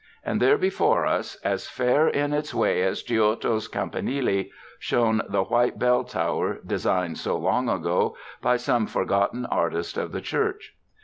And there before us, as fair in its way as Giotto's campanile, shone the white bell tower designed so long ago by some for j^otten artist of the church.